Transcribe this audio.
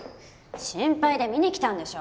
心配で見にきたんでしょ！